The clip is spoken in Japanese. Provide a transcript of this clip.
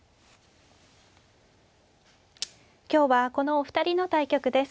今日はこのお二人の対局です。